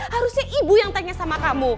harusnya ibu yang tanya sama kamu